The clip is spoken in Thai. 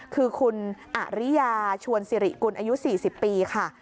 คือคุณอริยาชวนสิริกุลอายุ๔๐ปีค่ะ